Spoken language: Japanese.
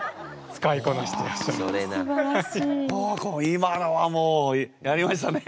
今のはもうやりましたね。